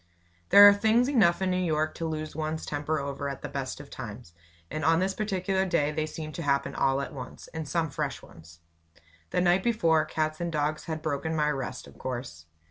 There are things enough in New York to lose one's temper over at the best of times, and on this particular day they seemed to all happen at once, and some fresh ones. The night before, cats and dogs had broken my rest, of course.